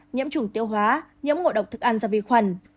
nhiễm trùng tiêu hóa nhiễm ngộ độc thực ăn do vi khuẩn